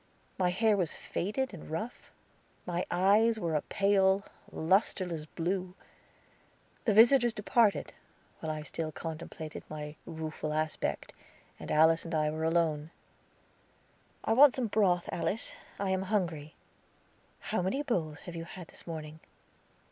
My hair was faded and rough; my eyes were a pale, lusterless blue. The visitors departed, while I still contemplated my rueful aspect, and Alice and I were alone. "I want some broth, Alice. I am hungry." "How many bowls have you had this morning?"